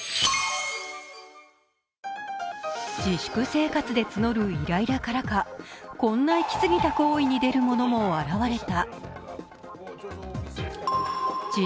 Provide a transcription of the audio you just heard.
自粛生活でつのるイライラからかこんな行きすぎた行為に出る者も現れた。